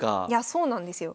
そうなんですよ。